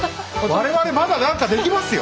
我々まだ何かできますよ。